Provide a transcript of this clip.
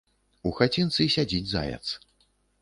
У хацінцы сядзіць заяц.